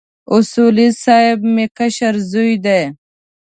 اصولي صیب مې کشر زوی دی.